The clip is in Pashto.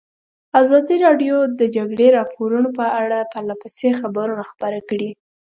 ازادي راډیو د د جګړې راپورونه په اړه پرله پسې خبرونه خپاره کړي.